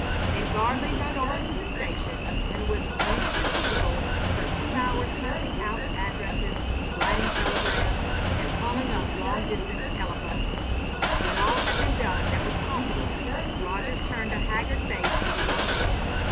Then Gardley rode on to the station and was indefatigable for two hours hunting out addresses, writing telegrams, and calling up long distance telephones. When all had been done that was possible Rogers turned a haggard face to the young man.